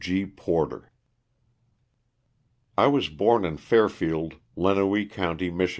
W. C. PORTER. J WAS born in Fairfield, Lenawee couuty, Mich.